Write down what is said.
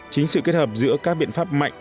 chính sự kết hợp giữa các biện pháp mạnh